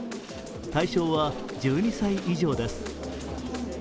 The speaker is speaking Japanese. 対象は１２歳以上です。